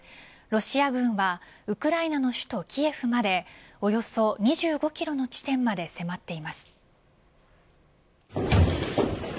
ロシア軍はウクライナの首都キエフまでおよそ２５キロの地点まで迫っています。